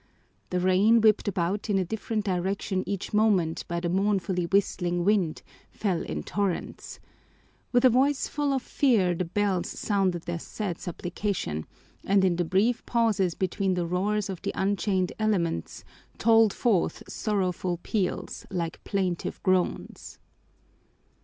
The rain, whipped about in a different direction each moment by the mournfully whistling wind, fell in torrents. With a voice full of fear the bells sounded their sad supplication, and in the brief pauses between the roars of the unchained elements tolled forth sorrowful peals, like plaintive groans.